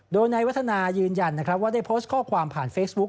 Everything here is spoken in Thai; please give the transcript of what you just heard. โดยนายวัฒนายืนยันนะครับว่าได้โพสต์ข้อความผ่านเฟซบุ๊ค